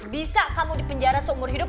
bisa kamu dipenjara seumur hidup